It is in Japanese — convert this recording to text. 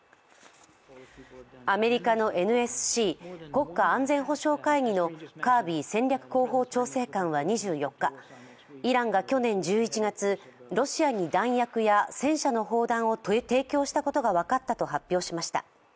アメリカのＮＳＣ＝国家安全保障会議のカービー戦略広報調整官は２４日、イランが去年１１月、ロシアに弾薬や戦車の砲弾を提供したことが分かったと発表しました。